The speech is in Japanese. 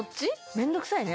面倒くさいね